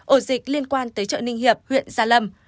ổ dịch liên quan tới chợ ninh hiệp huyện gia lâm